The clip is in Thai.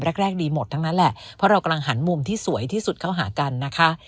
แรกดีหมดทั้งนั้นแหละเพราะเรากำลังหันมุมที่สวยที่สุดเข้าหากันนะคะ